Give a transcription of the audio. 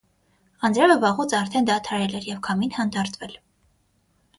Անձրևը վաղուց արդեն դադարել էր, և քամին հանդարտվել.